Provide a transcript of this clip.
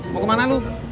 mau kemana lu